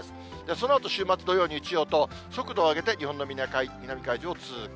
そのあと、週末土曜、日曜と、速度を上げて日本の南海上を通過。